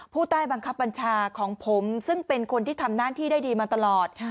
ผู้ใต้บังคับบัญชาของผมซึ่งเป็นคนที่ทำหน้าที่ได้ดีมาตลอด